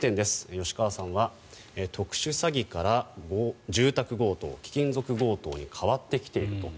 吉川さんは特殊詐欺から住宅強盗貴金属強盗に変わってきていると。